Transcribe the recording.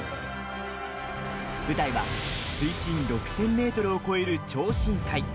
舞台は水深６０００ｍを超える超深海。